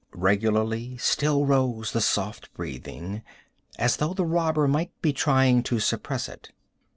Regularly still rose the soft breathing, as though the robber might be trying to suppress it.